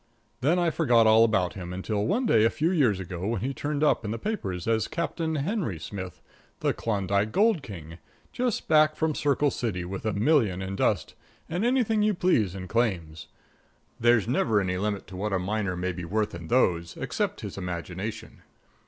Then I forgot all about him, until one day a few years ago when he turned up in the papers as Captain Henry Smith, the Klondike Gold King, just back from Circle City, with a million in dust and anything you please in claims. There's never any limit to what a miner may be worth in those, except his imagination.